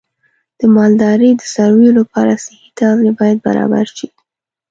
د مالدارۍ د څارویو لپاره صحي تغذیه باید برابر شي.